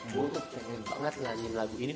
gue tuh pengen banget nganyin lagu ini ya